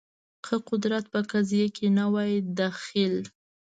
که قدرت په قضیه کې نه وای دخیل